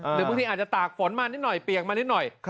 หรือบางทีอาจจะตากฝนมานิดหน่อยเปียกมานิดหน่อย